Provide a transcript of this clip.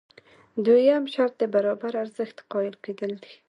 دویم شرط د برابر ارزښت قایل کېدل دي.